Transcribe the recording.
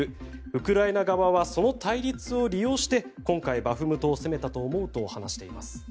ウクライナ側はその対立を利用して今回、バフムトを攻めたと思うと話しています。